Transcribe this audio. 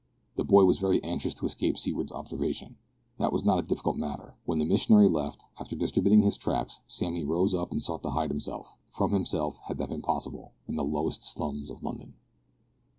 The boy was very anxious to escape Seaward's observation. This was not a difficult matter. When the missionary left, after distributing his tracts, Sammy rose up and sought to hide himself from himself, had that been possible in the lowest slums of London.